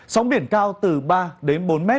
sóng biển cao từ ba đến bốn m